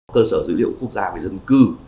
cơ sở dữ liệu quốc gia về dân cư